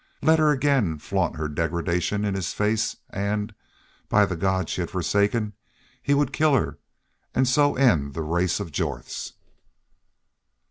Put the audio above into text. Let her again flaunt her degradation in his face and, by the God she had forsaken, he would kill her, and so end the race of Jorths!